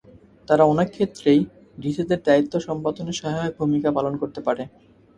তারা অনেক ক্ষেত্রেই ডিসিদের দায়িত্ব সম্পাদনে সহায়ক ভূমিকা পালন করতে পারে।